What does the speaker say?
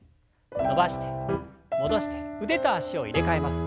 伸ばして戻して腕と脚を入れ替えます。